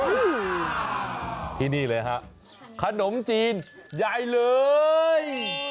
อืมที่นี่เลยฮะขนมจีนยายเลย